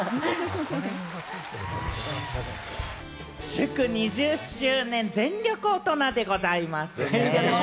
祝２０周年、全力大人でございますね。